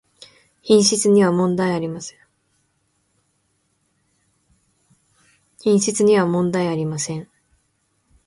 品質にはもんだいありません